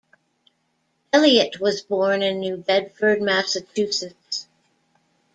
Eliot was born in New Bedford, Massachusetts.